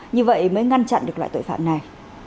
như vậy mới ngăn chặn được loại tội phạm này